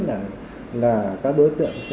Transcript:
là các đối tượng sẽ